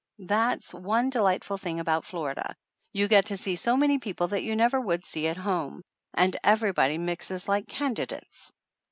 That's one delightful thing about Florida you get to see so many people that you never would see at home. And everybody mixes like candidates